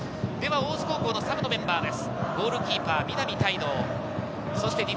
大津高校のサブのメンバーです。